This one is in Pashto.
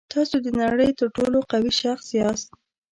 تاسو د نړۍ تر ټولو قوي شخص یاست.